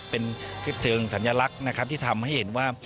เป็นเชิงสัญลักษณ์ที่ทำให้เห็นว่า